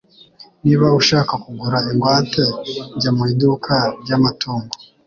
Niba ushaka kugura ingwate, jya mu iduka ryamatungo.